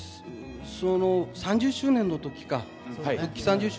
３０周年のときか。